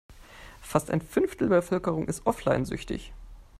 Fast ein Fünftel der Bevölkerung ist offline-süchtig.